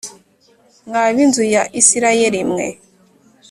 Mwa bi nzu ya Isirayeli mwe